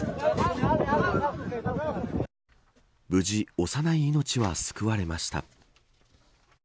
無事、幼い命は救われました。